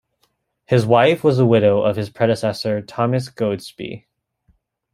His wife was the widow of his predecessor Thomas Goadsby.